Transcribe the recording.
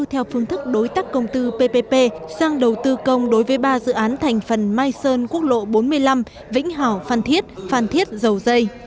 theo phương thức đối tác công tư ppp sang đầu tư công đối với ba dự án thành phần mai sơn quốc lộ bốn mươi năm vĩnh hảo phan thiết phan thiết dầu dây